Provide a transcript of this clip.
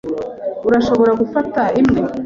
Urashobora gufata imwe?